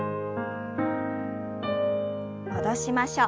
戻しましょう。